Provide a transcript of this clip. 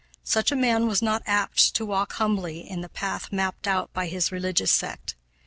Such a man was not apt to walk humbly in the path mapped out by his religious sect.